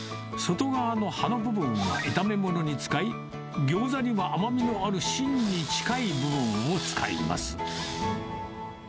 外側の葉の部分は炒め物に近い、ギョーザには甘みのある芯に近い部分を使います。